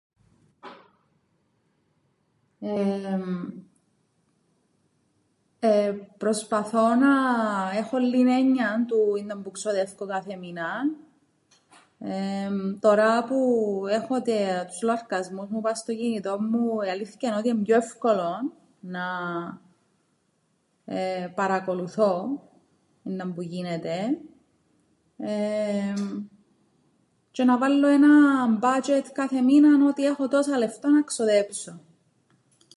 Προσπαθώ να έχω λλίην έννοιαν του ίνταμπου ξοδεύκω κάθε μήναν, εμ, τωρά που έχω τους λοαρκασμούς μου πά' στο κινητόν μου η αλήθκεια εν' πιο εύκολον να παρακολουθώ ίνταμπου γίνεται, εμ, τζ̌αι να βάλλω έναν μπάτζ̆ετ κάθε μήναν ότι έχω τόσα λεφτά να ξοδέψω.